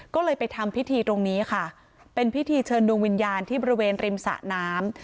ก็เลยไปทำพิธีตรงนี้ค่ะเป็นพิธีเชิญดวงวิญญาณที่บริเวณริมสะน้ำ